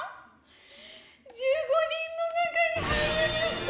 １５人の中に入れました